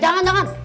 eh jangan jangan